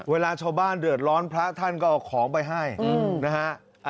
เวลาชาวบ้านเดือดร้อนพระท่านก็เอาของไปให้นะฮะ